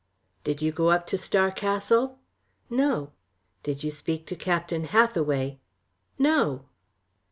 "Did you go up to Star Castle?" "No." "Did you speak to Captain Hathaway?" "No."